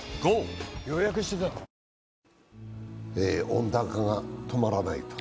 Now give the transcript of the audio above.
温暖化が止まらないと。